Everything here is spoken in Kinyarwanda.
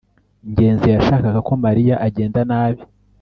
ngenzi yashakaga ko mariya agenda nabi